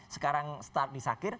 sekarang start di sakir